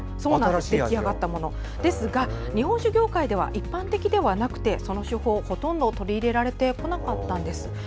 ですが日本酒業界では一般的ではなくてその手法はほとんど取り入れられてこなかったんです。